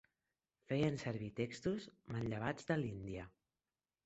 Feien servir textos manllevats de l'Índia.